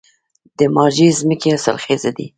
د مارجې ځمکې حاصلخیزه دي